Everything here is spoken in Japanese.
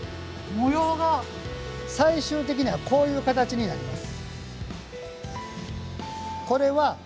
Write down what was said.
最終的にはこういう形になります。